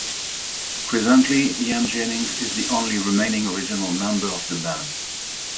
Presently, Ian Jennings is the only remaining original member of the band.